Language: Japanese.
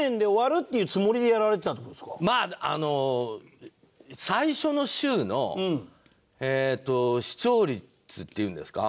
まああの最初の週のえーっと視聴率っていうんですか？